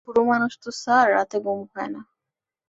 বুড়ো মানুষ তো স্যার, রাতে ঘুম হয় না।